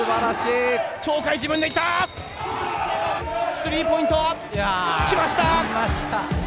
スリーポイント！来ました！